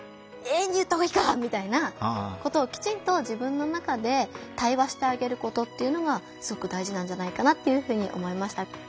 Ａに言った方がいいか」みたいなことをきちんと自分の中で対話してあげることっていうのがすごくだいじなんじゃないかなっていうふうに思いました。